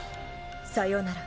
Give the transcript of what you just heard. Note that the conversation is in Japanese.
さよなら。